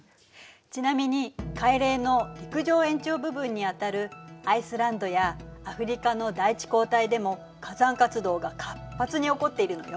ちなみに海嶺の陸上延長部分にあたるアイスランドやアフリカの大地溝帯でも火山活動が活発に起こっているのよ。